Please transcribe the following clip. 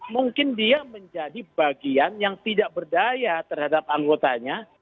mungkin dia menjadi bagian yang tidak berdaya terhadap anggotanya